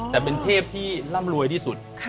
แต่เป็นเทพที่ร่ำรวยที่สุด